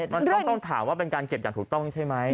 มันต้องถามว่าเป็นการเก็บอย่างถูกต้องใช่ไหม